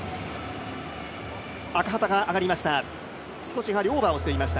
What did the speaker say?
赤旗があがりました。